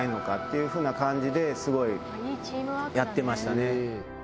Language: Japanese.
いうふうな感じですごいやってましたね